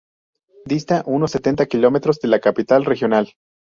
Dista unos setenta kilómetros de la capital regional.